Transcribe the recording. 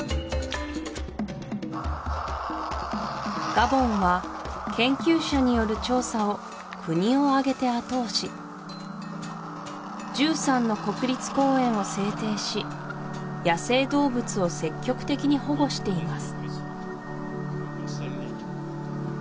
ガボンは研究者による調査を国を挙げて後押し１３の国立公園を制定し野生動物を積極的に保護しています